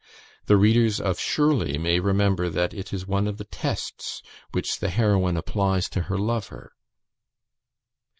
The readers of "Shirley" may remember that it is one of the tests which the heroine applies to her lover.